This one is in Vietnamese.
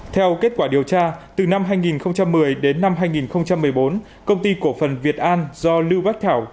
theo kết quả điều tra từ năm hai nghìn một mươi đến năm hai nghìn một mươi bốn công ty cổ phần việt an do lưu vác thảo